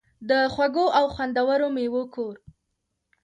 د خوږو او خوندورو میوو کور.